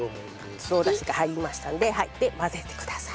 かつおダシが入りましたので混ぜてください。